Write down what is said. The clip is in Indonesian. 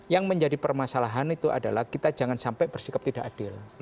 yang menjadi permasalahan itu adalah kita jangan sampai bersikap tidak adil